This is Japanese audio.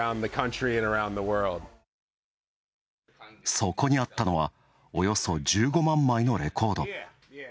そこにあったのは、およそ１５万枚のレコード。